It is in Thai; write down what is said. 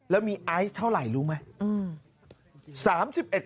แล้วมีไอซ์เท่าไหร่รู้ไหม